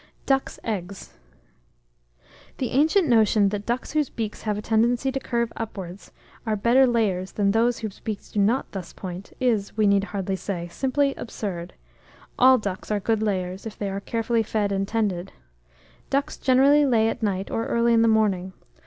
DUCK'S EGGS. The ancient notion that ducks whose beaks have a tendency to curve upwards, are better layers than those whose beaks do not thus point, is, we need hardly say, simply absurd: all ducks are good layers, if they are carefully fed and tended. Ducks generally lay at night, or early in the morning.